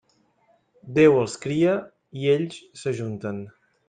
Déu els cria i ells s'ajunten.